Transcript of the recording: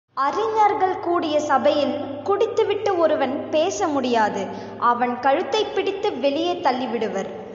அறிஞர்கள் கூடிய சபையில் குடித்துவிட்டு ஒருவன் பேச முடியாது அவன் கழுத்தைப் பிடித்து வெளியே தள்ளி விடுவர்.